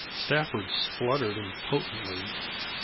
Stafford spluttered impotently.